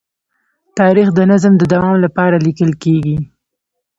تاریخ د نظم د دوام لپاره لیکل کېږي.